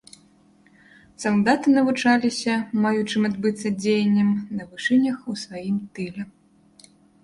Салдаты навучаліся маючым адбыцца дзеянням на вышынях у сваім тыле.